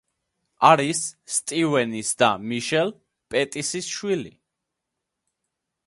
არის სტივენის და მიშელ პეტისის შვილი.